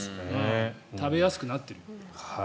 食べやすくなってる。